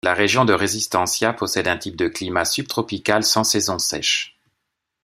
La région de Resistencia possède un type de climat subtropical sans saison sèche.